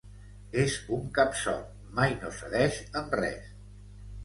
És un capsot, mai no cedeix en res.